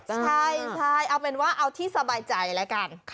ใช่เอาเป็นว่าเอาที่สบายใจแล้วกัน